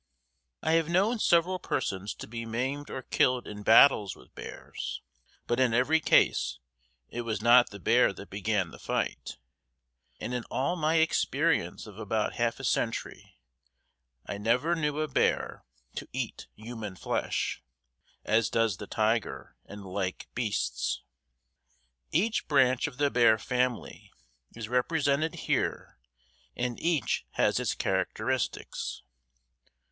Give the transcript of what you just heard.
I have known several persons to be maimed or killed in battles with bears, but in every case it was not the bear that began the fight, and in all my experience of about half a century I never knew a bear to eat human flesh, as does the tiger and like beasts. Each branch of the bear family is represented here and each has its characteristics.